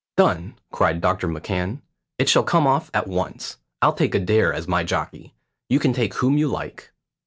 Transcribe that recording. "Done," cried Doctor McCan; "it shall come off at once. I'll take Adair as my jockey; you can take whom you like."